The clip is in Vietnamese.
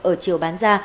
ở chiều bán ra